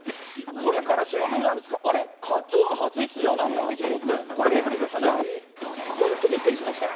それから白組なんですが、あれっ、ＫＡＴ−ＴＵＮ、初出場なんだと思って、これ、びっくりしましたね。